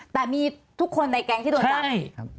แต่มีทุกคนในแก๊งที่โดนจับ